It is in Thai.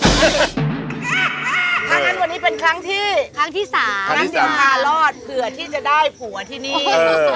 ครั้งนั้นวันนี้เป็นครั้งที่๓รอดเผื่อที่จะได้ผัวที่นี่